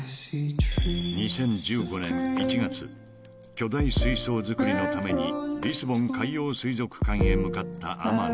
［巨大水槽造りのためにリスボン海洋水族館へ向かった天野］